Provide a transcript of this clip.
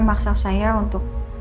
maksa saya untuk